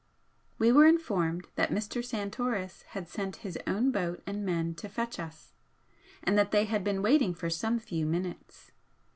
We were informed that Mr. Santoris had sent his own boat and men to fetch us, and that they had been waiting for some few minutes.